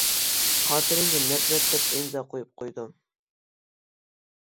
خاتىرەڭگە «نەپرەت» دەپ ئىمزا قۇيۇپ قويدۇم.